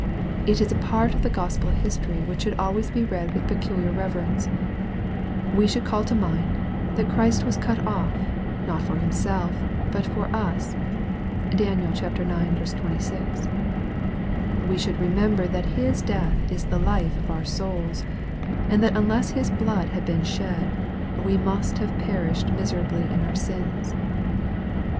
It is a part of the Gospel history which should always be read with peculiar reve rence. We should call to mind, that Christ was cut off, not for Himself, but for us. (Dan. ix. 26.) We should remember that His death is the life of our souls, and that unless His Liood had been shed, we must have perished miserably in our sins. 836 EXPOSITOR r THOUGHTS.